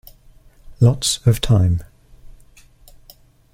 Lots of time.